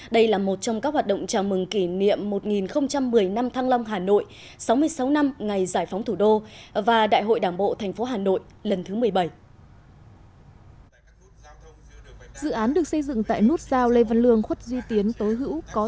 đây là một trong các hoạt động chào mừng kỷ niệm một nghìn một mươi năm thăng long hà nội sáu mươi sáu năm ngày giải phóng thủ đô và đại hội đảng bộ tp hà nội lần thứ một mươi bảy